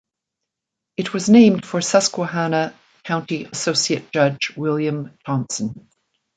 It was named for Susquehanna County associate judge William Thompson.